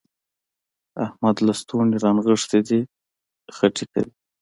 احمد لستوڼي رانغښتي دي؛ خټې کوي.